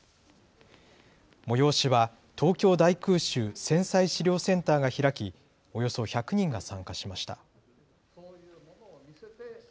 催しは東京大空襲・戦災資料センターが開き、およそ１００人が参加しました。